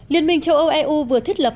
liên minh châu âu eu vừa thiết lập